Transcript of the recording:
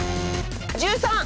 １３！